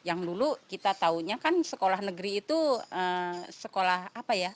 yang dulu kita taunya kan sekolah negeri itu sekolah apa ya